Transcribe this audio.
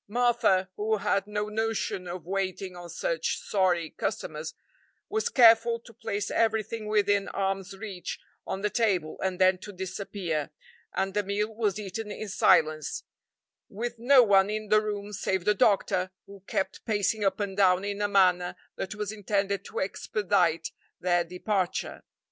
Martha, who had no notion of waiting on such sorry customers, was careful to place everything within arm's reach on the table and then to disappear, and the meal was eaten in silence, with no one in the room save the doctor, who kept pacing up and down in a manner that was intended to expedite their departure.